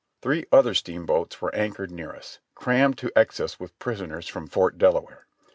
Three other steamboats were anchored near us, crammed to excess with prisoners from Fort Delaware.